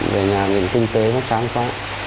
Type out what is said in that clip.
về nhà nhìn kinh tế nó chán quá